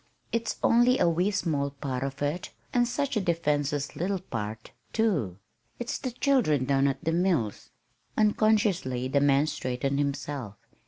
"It's only a wee small part of it and such a defenseless little part, too. It's the children down at the mills." Unconsciously the man straightened himself.